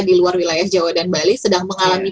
di luar wilayah jawa dan bali sedang mengalami